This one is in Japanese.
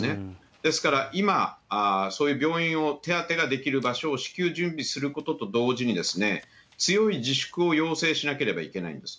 ですから、今、そういう病院を、手当てができる場所を至急準備することと同時に、強い自粛を要請しなければいけないんです。